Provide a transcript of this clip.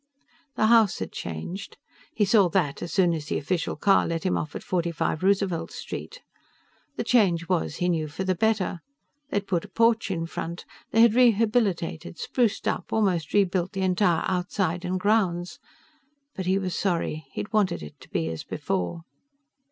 The house had changed. He saw that as soon as the official car let him off at 45 Roosevelt Street. The change was, he knew, for the better. They had put a porch in front. They had rehabilitated, spruced up, almost rebuilt the entire outside and grounds. But he was sorry. He had wanted it to be as before.